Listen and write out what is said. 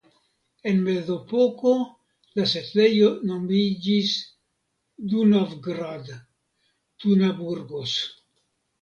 En la Mezepoko la setlejo nomiĝis Dunavgrad (Tunaburgos).